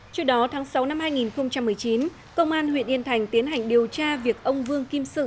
trước đó tháng sáu năm hai nghìn một mươi chín công an huyện yên thành tiến hành điều tra việc ông vương kim sự